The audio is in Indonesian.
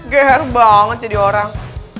gitu bener banget jadi orang